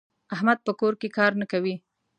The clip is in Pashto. احمد په کور کې کار نه کوي.